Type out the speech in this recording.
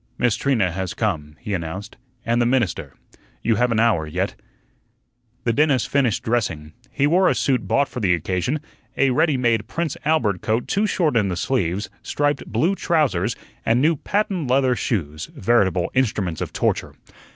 "Miss Trina has come," he announced, "and the minister. You have an hour yet." The dentist finished dressing. He wore a suit bought for the occasion a ready made "Prince Albert" coat too short in the sleeves, striped "blue" trousers, and new patent leather shoes veritable instruments of torture.